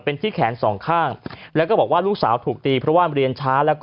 เป็นที่แขนสองข้างแล้วก็บอกว่าลูกสาวถูกตีเพราะว่าเรียนช้าแล้วก็